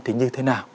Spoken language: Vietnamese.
thì như thế nào